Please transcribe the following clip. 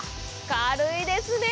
軽いですね。